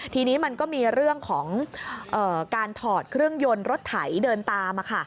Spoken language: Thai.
ทีนี้มันก็มีเรื่องของการถอดเครื่องยนต์รถไถเดินตาม